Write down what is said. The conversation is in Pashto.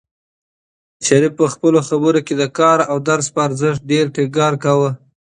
شریف په خپلو خبرو کې د کار او درس په ارزښت ډېر ټینګار کاوه.